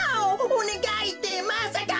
おねがいってまさか。